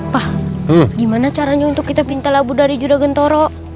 pak gimana caranya untuk kita minta labu dari juragan toro